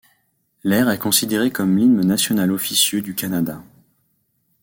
L'air est considéré comme l'hymne national officieux du Canada.